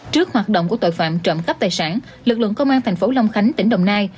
trước hoạt động của tội phạm trộm cắp tài sản lực lượng công an thành phố long khánh tỉnh đồng nai